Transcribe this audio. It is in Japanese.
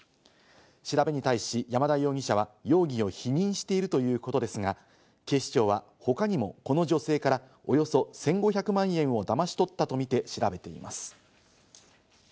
調べに対し、山田容疑者は容疑を否認しているということですが、警視庁は他にも、この女性からおよそ１５００万円をだまし取ったとみて調べています。